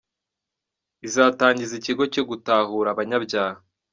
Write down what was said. izatangiza ikigo cyo gutahura abanyabyaha